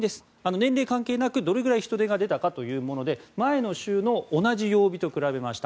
年齢関係なくどれぐらい人出が出たかというもので前の週の同じ曜日と比べました。